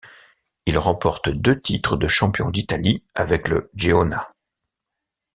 Il remporte deux titres de champion d'Italie avec le Geona.